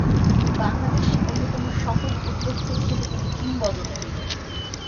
বাংলাদেশের অন্যতম সফল উদ্যোক্তা হিসেবে তিনি কিংবদন্তি।